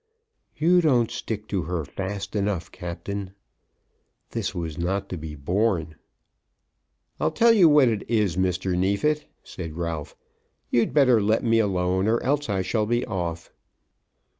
"You don't stick to her fast enough, Captain." This was not to be borne. "I'll tell you what it is, Mr. Neefit," said Ralph, "you'd better let me alone, or else I shall be off."